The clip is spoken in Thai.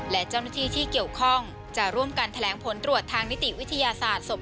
และเจ้าหน้าที่ที่เกี่ยวข้องจะร่วมกันแถลงผลตรวจทางนิติวิทยาศาสตร์ศพ